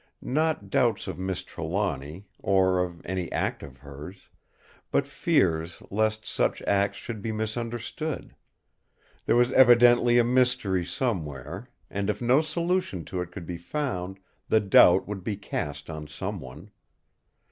Not doubts of Miss Trelawny, or of any act of hers; but fears lest such acts should be misunderstood. There was evidently a mystery somewhere; and if no solution to it could be found, the doubt would be cast on someone.